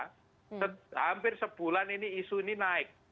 hampir sebulan ini isu ini naik